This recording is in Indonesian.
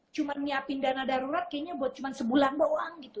cuma nyiapin dana darurat kayaknya buat cuma sebulan doang gitu